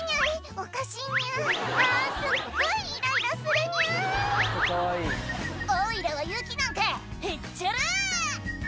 「おいらは雪なんてへっちゃら！」